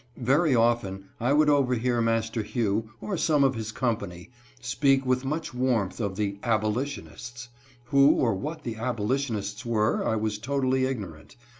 Very often I would overhear MasterJBCugh, or some of his company, speak with much warmth of the " abolition ists." Who or what the abolitionists were, I was totally Ignorant.